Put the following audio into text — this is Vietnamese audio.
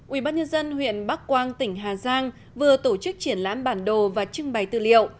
ubnd huyện bắc quang tỉnh hà giang vừa tổ chức triển lãm bản đồ và trưng bày tư liệu